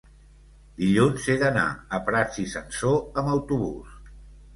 dilluns he d'anar a Prats i Sansor amb autobús.